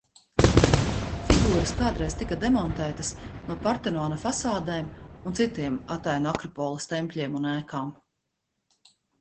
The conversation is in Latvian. Figūras kādreiz tika demontētas no Partenona fasādēm un citiem Atēnu Akropoles tempļiem un ēkām.